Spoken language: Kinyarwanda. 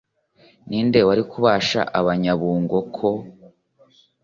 ninde warikubasha abanyabungo koo?"